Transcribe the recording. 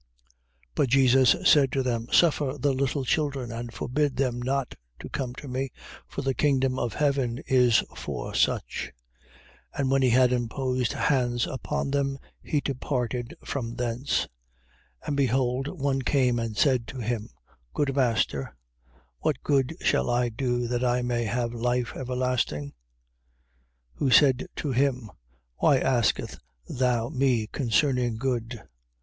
19:14. But Jesus said to them: Suffer the little children, and forbid them not to come to me: for the kingdom of heaven is for such. 19:15. And when he had imposed hands upon them, he departed from thence. 19:16. And behold one came and said to him: Good master, what good shall I do that I may have life everlasting? 19:17. Who said to him: Why askest thou me concerning good?